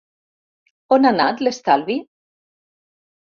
On ha anat l’estalvi?